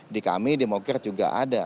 di kami demokrat juga ada